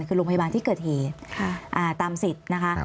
คือโรงพยาบาลที่เกิดเหตุตามสิทธิ์นะคะ